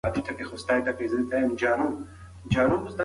لوستې مور د خوړو پاک لوښي کاروي.